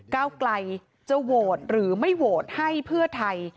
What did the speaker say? ก้าวไกลจะโหวตหรือไม่โหวตให้เพื่อไทย